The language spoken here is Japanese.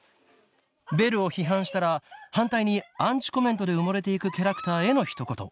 ベルを批判したら反対にアンチコメントで埋もれて行くキャラクターへのひと言